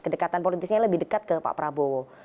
kedekatan politisnya lebih dekat ke pak prabowo